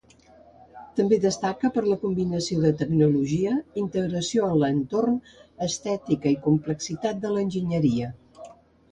També destaca per la combinació de tecnologia, integració en l'entorn, estètica i complexitat d'enginyeria.